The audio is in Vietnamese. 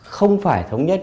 không phải thống nhất